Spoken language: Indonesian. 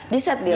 di set dia